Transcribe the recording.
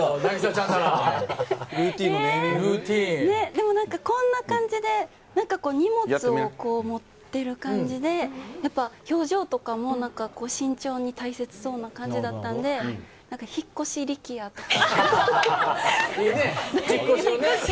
でも、なんかこんな感じで荷物をこう持ってる感じで、表情とかも慎重に大切そうな感じだったんで、引っ越し力也とか？